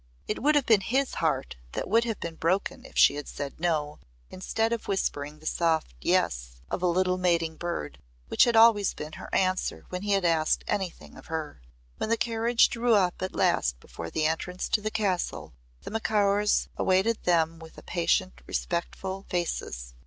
It would have been his heart that would have been broken if she had said "No" instead of whispering the soft "Yes" of a little mating bird, which had always been her answer when he had asked anything of her. When the carriage drew up at last before the entrance to the castle, the Macaurs awaited them with patient respectful faces.